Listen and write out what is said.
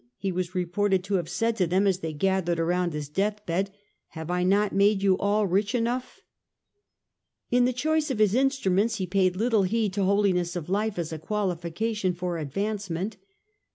he was reported to have said to them as they gathered around his deathbed ;" have I not made you all rich enough ?" In the choice of his instruments he paid little heed to holiness of life as a qualification for advancement.